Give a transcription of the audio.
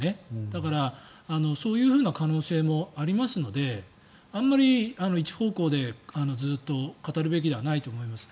だから、そういうふうな可能性もありますのであまり一方向でずっと語るべきではないと思います。